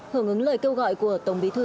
hưởng ứng lời kêu gọi của tổng bí thư